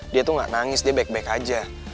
dia tuh gak nangis dia baik baik aja